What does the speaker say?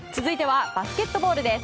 続いてはバスケットボールです。